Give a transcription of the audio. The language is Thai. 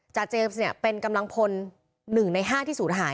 จาดเจมส์เนี่ยเป็นกำลังพลหนึ่งใน๕ที่สูญหาย